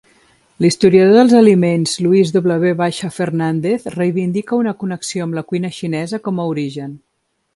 L'historiador dels aliments Luis W. Fernández reivindica una connexió amb la cuina xinesa com a origen.